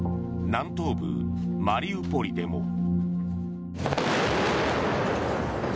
南東部マリウポリでも。